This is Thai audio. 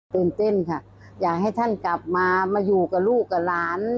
ตื่นเต้นค่ะอยากให้ท่านกลับมามาอยู่กับลูกกับหลาน